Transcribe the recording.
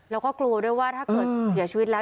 แล้วก็กลัวด้วยว่าถ้าเกิดเสียชีวิตแล้ว